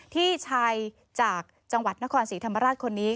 ที่ชายจากจังหวัดนครศรีธรรมราชคนนี้